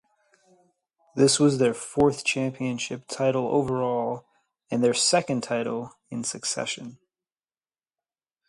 This was their fourth championship title overall and their second title in succession.